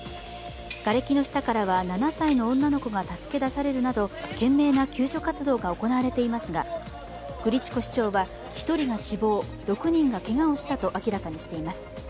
がれきの下からは７歳の女の子が助け出されるなど懸命な救助活動が行われていますがクリチコ市長は１人が死亡、６人がけがをしたと明らかにしています。